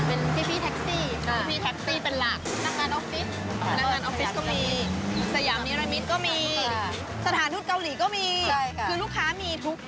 กว่าจะเต็มไปเรื่องทุ่ม